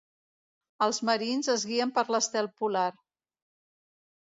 Els marins es guien per l'estel polar.